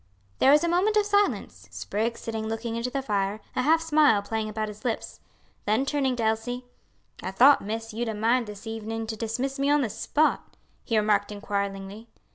There was a moment of silence, Spriggs sitting looking into the fire, a half smile playing about his lips; then turning to Elsie, "I thought, miss, you'd a mind this evening to dismiss me on the spot," he remarked inquiringly.